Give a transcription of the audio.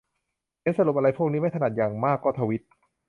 เขียนสรุปอะไรพวกนี้ไม่ถนัด อย่างมากก็ทวีต